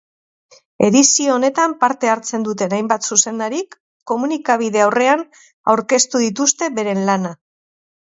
Edizio honetan parte hartzen duten hainbat zuzendarik komunikabide aurrean aurkeztu dituzte beren lana.